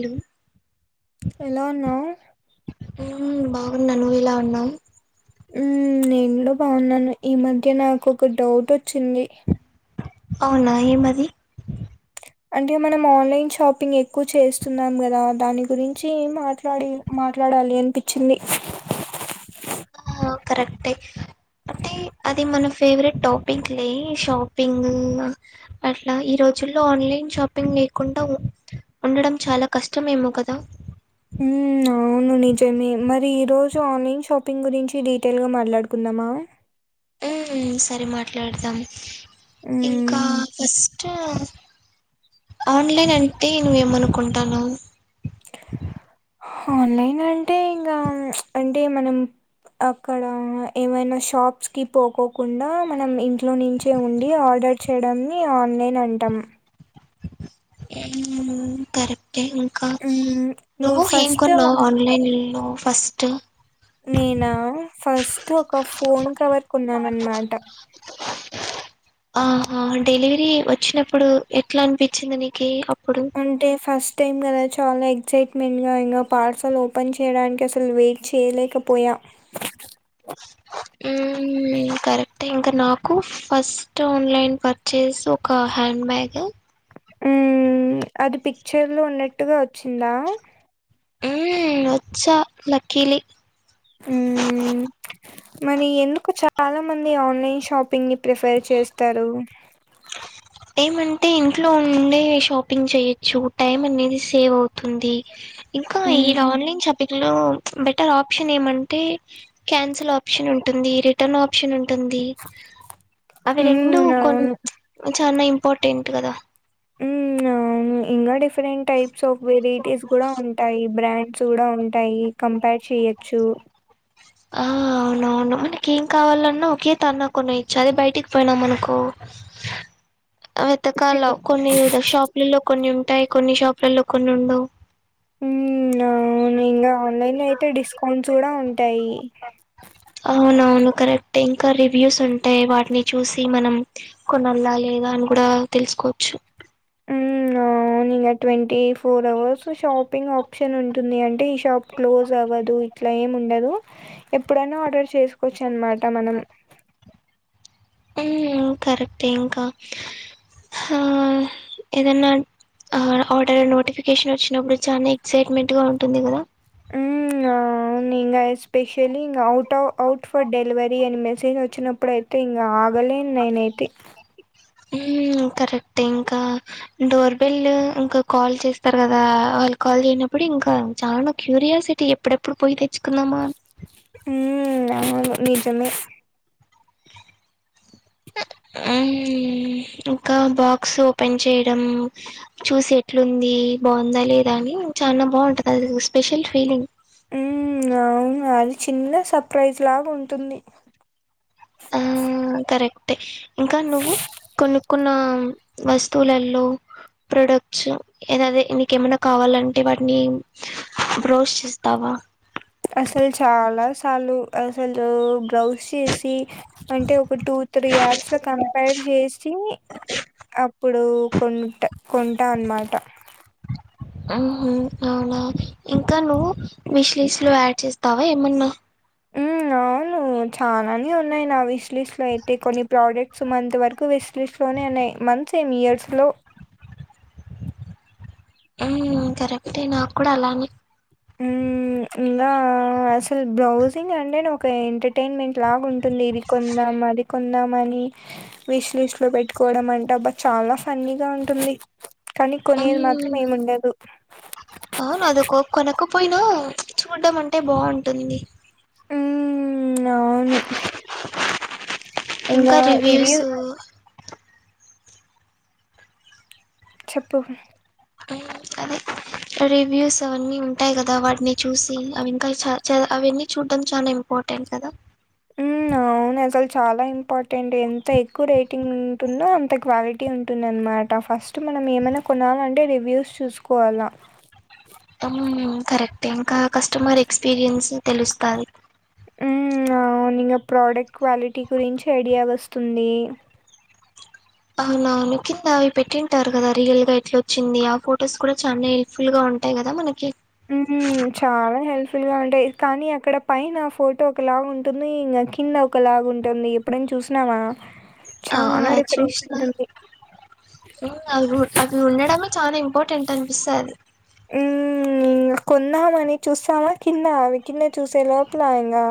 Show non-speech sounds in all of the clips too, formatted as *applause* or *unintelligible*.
ఇ ఎలా ఉన్నావ్ హ్మ్ బాగున్నా నువ్వు ఇలా ఉన్నావు ఉ నేను కూడా బాగున్నాను ఈ మధ్య నాకు ఒక డౌట్ వచ్చింది అవునా ఏ మది అంటే మనం ఆన్లైన్ షాపింగ్ ఎక్కువ చేస్తున్నాం కదా దాని గురించి మాట్లాడి మా మాట్లాడాలి అనిపించింది ఆ కరెక్ట్ ఏ అంటే అది మన ఫేవరెట్ టాపిక్ లే షాపింగ్ అట్లా ఈరోజు రోజుల్లో ఆన్లైన్ షాపింగ్ లేకుండా ఉండడం చాలా కష్టమేమో కదా హ అవును నిజమే మరి ఈ రోజు ఆన్లైన్ షాపింగ్ గురించి డీటెయిల్గా మాట్లాడుకుందామా సరే మాట్లాడదాం ఇంకా మ్మ్ ఫస్ట్ అ ఆన్లైన్ అంటే నువ్వ ఏమనుకుంటాన్నవు ఆన్లైన్ అంటే ఇంకా అంటే మనం అక్కడ ఏమైనా షాప్స్ కి పోకోకుండా మనం ఇంట్లో నుంచే ఉండి ఆ ఆర్డర్ చేయడాన్ని ఆన్లైన్ అంటాం ఎం కర ఇంకా మ్మ్ నువ్వు ఏంగ్ ఫస్ట్ కొన్నా ఆన్లైన్ లొ ఫస్ట్ నేనా మ్యాట్ ఆ డెలివరీ వచ్చినప్పుడు ఎట్లా అనిపించింది నీకి అప్పుడు అంటే ఫస్ టైం కదా చాలా ఎగ్జైట్మెంట్ గా ఇంకా పార్సల్ ఓపెన్ చేయడానికి అసలు వెయిట్ చేయలేకపోయా ఉ హా కరెక్ట్ ఇంకా నాకు ఫస్ట్ ఆన్లైన్ పర్చేస్ ఒక హ హ్యాండ్ బ్యాగ్ ఉ అది పిక్చర్ లో ఉన్నట్టుగా వచ్చిందా ఉ వచ్చా లక్కీలీ మ్మ్, మరి ఎందుకు చాలా మంది ఆన్లైన్ షాపింగ్ ని ప్రిఫర్ చేస్తారు ఏమంటే ఇంట్లో ఉండే షాపింగ్ చేయచ్చు టైం అనేది సేవ్ అవుతుంది ఇంకా ఇలా మ్మ్, ఆన్లైన్ చాపిచ్చు అందులో బెటర్ ఆప్షన్ ఏమంటే క్యాన్సిల్ ఆప్షన్ ఉంటుంది రిటర్న్ ఆప్షన్ ఉంట్ ఉంటుంది అవి రెండు మ్మ్, కొ అవును అన్ని ఇంపార్ర్టెట్ కదా మ్మ్, అవును ఇంకా డిఫరెంట్ టైప్స్ ఆఫ్ వెరైటీస్ కూడా ఉంటాయి బ్రాండ్స్ కూడా ఉంటాయి కంపేర్ చేయొచ్చు ఆ అవునవును మనకి ఏం కావాలన్నా ఒకే తన్నా కొన్ని ఇచ్చ అది బయటికి పోయినాం మనుకో వెతకాల కొన్ని షాపులలో కొన్ని ఉంటాయి కొన్ని షాపులలో కొన్ని ఉండవు ఉ అవును ఇంగ ఆన్లైన్ లో అయితే డిస్కౌంట్స్ కూడా ఉంటాయి అవునవును కరెక్ట్ ఇంకా రివ్యూస్ ఉంటాయి వాటిని చూసి మనం కొనళ్ళాలె లేదా అని కూడా తెలుసుకోచ్చు న్ ఇంగ twenty four hours shopping option ఉంటుంది అంటే ఈ షాప్ క్లోజ్ అవ్వదు ఇట్లా ఏం ఉండదు ఎప్పుడైనా ఆర్డర్ చేసుకోవచ్చు అన్మాట మనం ఉ కరెక్ట్ ఇంకా హా ఏదన్నా ఆ ఆడ ఆర్డర్ నోటిఫికేషన్ వచ్చినప్పుడు చాలా ఎక్సైట్మెంట్ గా ఉంటుంది కదా ఉ అ అని ఇంగ ఎ స్పెషల్లీ ఇ అఔట్ఫ్ అఔట్ ఫర్ డెలివరీ అని మెసేజ్ వచ్చినప్పుడు అయితే ఇంకా ఆగలే నైన్ ఎయితి ఉమ్ కరెక్ట్ ఇంకా డోర్ బెల్ ఇంకా కాల్ చేస్తారు కదా వాళ్ళు కాల్ చేయనప్పుడు ఇంకా చాన క్యూ రియాసిటీ ఎప్పుడెప్పుడు పోయితే ఉ అవును నిజమే అ ఉమ్ ఇంకా బాక్స్ ఓపెన్ చేయడం చూసి ఎట్లుంది బాగుందా లేదా అని చాలా బాగుంటది అది స్పెషల్ ఫీలింగ్ ఉ అవును అది చిన్న సర్ప్రైజ్ లాగ ఉంటుంది ఆ కరెక్టే ఇంకా నువ్వు కొనుక్కున్న వస్తువులల్లో ప్రోడక్ట్స్ ఏద అది నీకేమన్నా కావాలంటే వాటిని బ్రోష్ చేస్తావా వ అసలు చాలా సాళ్లు అసలు బ్రౌజ్ చేసి అంటే ఒక టూ త్రీ యాప్స్ లో కంపర్ చేసి అప్పుడు కొన్ట్ కొంటా అన్నమాట ఉహ్ హు అవునా ఇంకా నువ్వు మిష్లిస్లు యాడ్ చేస్తావా ఏమన్నా హ్మ్ అవును చాలానే ఉన్నాయి నా విష్ లిస్ట్ లో అయితే కొన్ని ప్రోడక్ట్స్ మంత్ వరకు విష్ లిస్ట్ లోన్ నే ఉన్నాయి మంత్స్ ఎం ఇయర్స్ లో ఉమ్ కరెక్టే నాకు కూడా అలానే ఉమ్ ఇంగా అసలు బ్రౌజింగ్ అంటేనే ఒక ఎంటర్టైన్మెంట్ ట్ లాగుంటుంది ఇది కొందాం అది కొందామని విష్ లిస్ట్ లో పెట్టుకోవడం అంట అబ్బా చాలా ఫన్నీగా ఉంటుంది. కానీ కొనేది మాత్రం హ్మ్ ఏముండదు పోయినా చూడ్డం అంటే బాగుంటుంది. ఉమ్ అవును ఇంకా ఇంగా రివ్యూ రివ్యూస్ చెప్పు ఉమ్ అదే రివ్యూస్ అవన్నీ ఉంటాయి, కదా వాటిని చూసి అవి ఇంకా చ చ అవన్నీ చూడడం చానా ఇంపార్టెంట్ ఎంకాద ఉమ్ అవునెసల్ చాలా ఇంపార్టెంటె ఎంత ఎక్కువ రేటింగ్ ఉంటుందో అంత క్వాలిటీ ఉంటుందన్మాట ఫస్ట్ మ మనం ఏమైనా కొనాలంటే రివ్యూస్ చూసుకోవాల్ల అవునా కరెక్టె ఇంకా కస్టమర్ ఎక్స్పీరియన్స్ తెలుస్తాది ఉమ్ అవును ఇంగా ప్రోడక్ట్ క్వాలిటీ గురించి ఐడియా వస్తుంది. అవునావును కింద అవి పెట్టింటారు కదా. రియల్ గా ఎట్లా వచ్చింది ఆ ఫొటోస్ కూడా చాలా హెల్ప్ఫుల్ గా ఉ ఉంటాయి గదా మనకి ఉమ్ చాలా హెల్ప్ఫుల్ గా ఉంటాయి. కానీ అక్కడ పై నా ఫోటో ఒకలాగా ఉంటుంది. ఇంగ న్ కింద ఒకలాగు ఉంటుంది ఎప్పుడైన చూసినావా ఆ చాలా డిఫరెన్స్ చూశిన ఉంటుంది. ఉమ్ అవి అవి ఉండడమే చాలా ఇంపార్టెంట్ అనిపిస్తుంది ఇంగా కొన్దమని చూసామా కింద అవి కింద చూసే లోపులా ఇంగా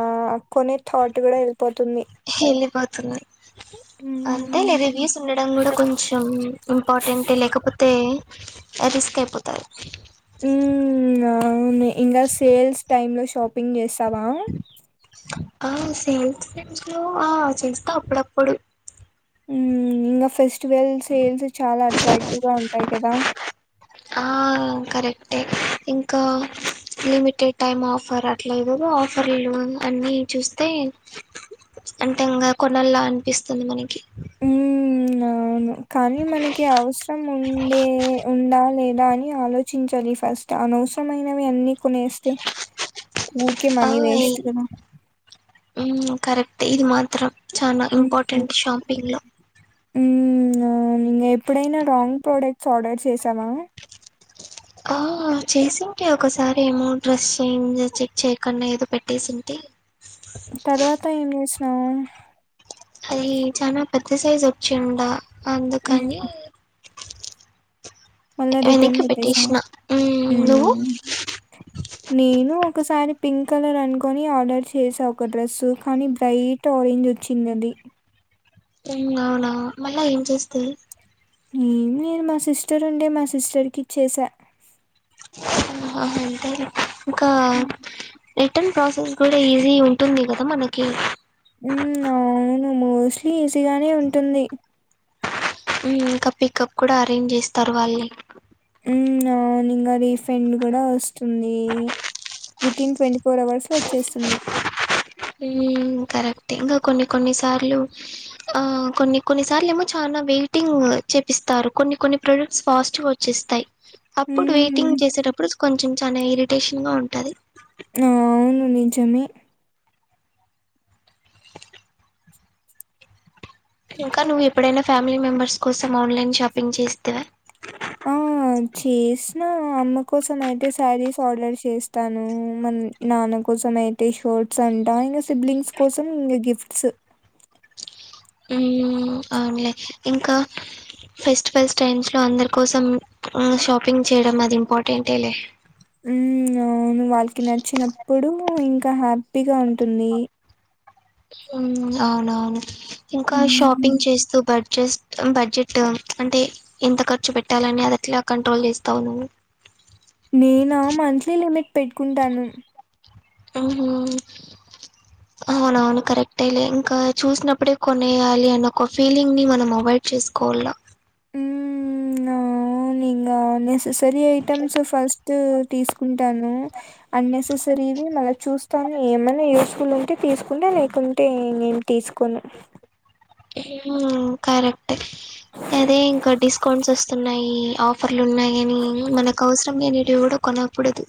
కొనే థాట్ గూడా వెల్ పోతుంది వెళ్ళిపోతుంది అంతేలే రీవ్యూస్ ఉండడం గూడా కొంచెం ఇంపార్టెంటే లేకపోతే ఆ రిస్కాయిపోతారు ఉమ్ ఇంగా మెయిన్గా సేల్స్ టైమ్ లో షాపింగ్ చేస్ తమా ఆహా సేల్స్ టైమ్ లో ఆ చేస్తా అప్పుడప్పుడు ఉమ్ ఇంగా ఫెస్టివల్స్ సేల్స్ చాలా అట్రాక్టివ్గా ఉంటాయి కదా ఆ కరెక్టే ఇంకా లిమిటెడ్ టైం ఆఫర్ అట్లా ఏదేదో ఆఫర్లు అన్ని చూస్తే అంటే ఇంగ కొనల్లా అనిపిస్తుంది మనకి ఉమ్ అవును కానీ మనకి అవస్రం ఉండే ఉంద లే దా అని ఆలోచించాలి ఫస్ట్ అనవ్స్రమైనవి అన్ని కొనేస్తే ఊరికే మనీ వేస్ట్ కదా హ్మ్మ్ కరెక్టే ఇది మాత్రం చాలా ఇంపార్టెంట్ షాపింగ్ లో హ్మ్మ్ అవును ఎప్పుడైనా రాంగ్ ప్రోడక్ట్స్ ఆర్డర్ చేసావా ఆ చేసింటి ఒకసారి ఏమో డ్రెస్ చేంజ్ చెక్ చేయ్యకుండా ఏదో పెట్టేసింటి తర్వాత ఏం చేసినావ్ అది చానా పెద్ద సైజు వచ్చిండ హ్మ్. అందుకని మళ్ళా రిటర్న్ వెనక్కి పెట్టేస పెట్టేసిన ఊ ఉమ్ నువ్వు నేను ఒకసారి పింక్ కలర్ అనుకొని ఆర్డర్ చేసా ఒక డ్రెస్ కానీ బ్రైట్ ఆరెంజ్ వచ్చింది అది హ్మ్మ్ అవునా మళ్ళా ఏం చేస్తివి ఏం చేయలే మా సిస్టర్ ఉంటే మా సిస్టర్కి ఇచ్చేస ఆ అంతేలే ఇంకా హ్మ్. రిటర్న్ ప్రాసెస్ కూడా ఈజీ ఉంటుంది కదా మనకి ఉ అవును మోస్ట్లీ ఈజీగానే ఉంటుంది ఉ ఇంకా పికప్ కూడా అరేంజ్ చేస్తారు వాళ్ళే అవును ఇంకా రిఫండ్ కూడా వస్తుంది వితిన్ ట్వంటీ ఫోర్ అవర్స్ లో వచ్చేస్తుంది కరెక్ట్ ఇంకా కొన్ని కొన్ని సార్లు ఆ కొన్ని కొన్ని సార్లు ఏమో చానా వెయిటింగ్ చేపిస్తారు కొన్ని కొన్ని ప్రొడక్ట్స్ ఫాస్ట్ గా వచ్చేస్తాయి అప్పుడు హ్మ్. వెయిటింగ్ చేసేటప్పుడు కొంచెం చాలా ఇరిటేషన్ గా ఉంటది ఆ అవును నిజమే ఇంకా నువ్వు ఎప్పుడైనా ఫ్యామిలీ మెంబర్స్ కోసం ఆన్లైన్ షాపింగ్ చేస్తివా ఆ చేసిన అమ్మ కోసం అయితే శారీస్ ఆర్డర్ చేస్తాను మన నాన్న కోసం అయితే షర్ట్స్ అంట ఇంకా సిబ్లింగ్స్ కోసం ఇం గిఫ్ట్స్ అవునులే ఇంకా ఫెస్టివల్స్ టైమ్స్ లో అందరి కోసం షాపింగ్ చేయడం అది ఇంపార్టెంటే లే హ్మ్మ్ అవును వాళ్ళకి నచ్చినప్పుడు ఇంకా హ్యాపీగా ఉంటుంది అవునవును ఇంకా మ్మ్ షాపింగ్ చేస్తూ బర్ జస్ట్ బడ్జెట్ అంటే ఎంత ఖర్చు పెట్టాలని అదెట్ల కంట్రోల్ చేస్తావు నువ్వు నేనా మంత్లీ లిమిట్ పెట్టుకుంటాను ఉహు *unintelligible* కరెక్టే లే ఇంకా చూసినప్పుడే కొనేయాలి అన్న ఒక ఫీలింగ్ ని మనం అవాయిడ్ చేసుకోవాల హ్మ్మ్ అవు ఇంకా నెససరీ ఐటమ్స్ ఫస్ట్ తీసుకుంటాను అన్నెసెసరీవి మళ్ళ చూ తను ఏమైనా యూస్ఫుల్ ఉంటే తీసుకుంటే లేకుంటే ఇంకేం తీసుకోను కరెక్ట్ అదే ఇంకా డిస్కౌంట్స్ వస్తున్నాయి ఆఫర్ అట్లు ఉన్నాయని మనకు అవసరం లేనిటివి కూడా కొనకూడదు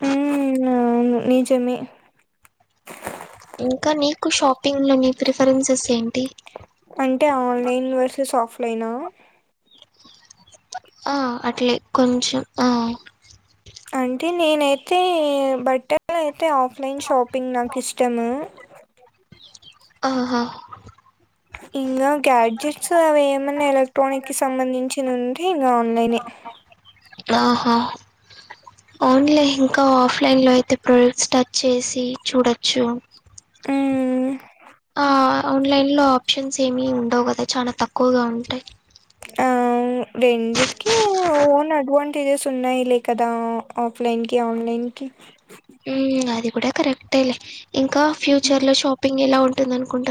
హు అవును నిజమే ఇంకా నీకు షాపింగ్ లో ని ప్రిఫరెన్సెస్ ఏంటి అంటే ఆన్లైన్ వర్ ఆఫ్లైన ఆ అట్లే కొంచెం ఆ అంటే నేనైతే బట్టలు అయితే ఆఫ్లైన్ షాపింగ్ నాకు ఇష్టము ఆ హా ఇంకా గ్యాడ్జెట్స్ అవి ఏమన్నా ఎలక్ట్రానిక్ కి సంబంధించినవి ఆవున్ నేనె ఔన్లె ఇంకా ఆఫ్లైన్లో అయితే ప్రోడక్ట్స్ టచ్ చేసి చూడొచ్చు హ్మ్. ఆ ఆన్లైన్ లో ఆప్షన్స్ ఏమి ఉండవు కదా చాన తక్కువగా ఉంటాయి రెండిటికీ ఓన్ అడ్వాంటేజెస్ ఉన్నాయిలే కదా ఆఫ్లైన్ కి ఆన్లైన్ క మ్ అది కూడా కరెక్టేలే ఇంకా ఫ్యూచర్ హుహు. లో షాపింగ్ ఎలా ఉంటుంది అనుకుంటు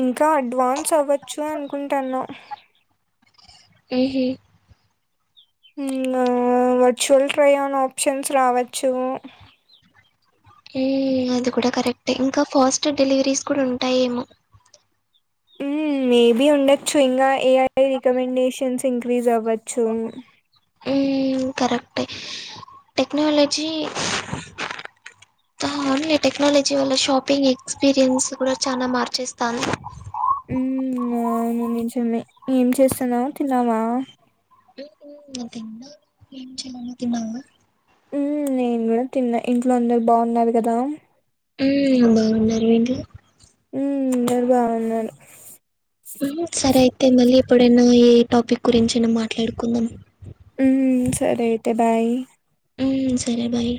ఇంకా అడ్వాన్స్ అవ్వచ్చు అనుకుంటన్నం మ్ హు ఇంగ వర్చువల్ ట్రై ఆన్ ఆప్షన్స్ రావచ్చు మ్ అది కూడా కరెక్ట్ ఇంకా ఫాస్ట్ డెలివరీస్ కూడా ఉంటాయేమో మ్ మేబి ఉండొచ్చు ఇంకా ఏఐఐ రికమెండేషన్స్ ఇంక్రీస్ అవ్వొచ్చు చ్చు మ్ కరెక్టే టెక్నాలజీ ఆ ఓన్లీ టెక్నాలజీ వల్ల షాపింగ్ ఎక్స్పీరియన్స్ కూడా చాలా మార్చేస్తాంది మ్ అవును నిజమె ఏం చేస్తాన్నావ్ తిన్నావా తిన్నావా ఏం చేయమన్నవ్ తిన్నావ మ్ నేను కూడా తిన్నా ఇంట్లో అందరు బావున్నారు కదా మ్ బావున్నారు మీ ఇంట్లో ఊమ్ అందరు బావున్నారు సరే అయితే మళ్ళీ ఎప్పుడైనా ఏఎ టాపిక్ గురించైనా మాట్లాడుకుందాం ఉమ్ సరే అయితే బాయ్ ఉ మ్ సరే బాయ్